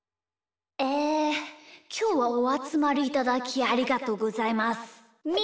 えきょうはおあつまりいただきありがとうございます。